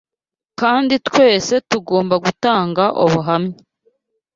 Kandi twese tugomba gutanga ubuhamya